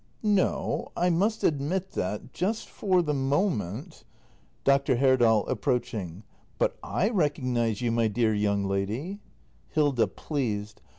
No — I must admit that — just for the moment Dr. Herdal. [Approaching.] But I recognise you, my dear young lady Hilda. [Pleased.